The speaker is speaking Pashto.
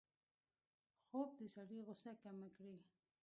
خوب د سړي غوسه کمه کړي